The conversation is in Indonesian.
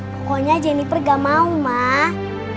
pokoknya jennifer gak mau mak